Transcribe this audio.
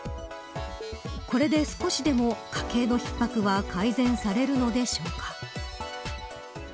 これで少しでも家計の逼迫は改善されるのでしょうか。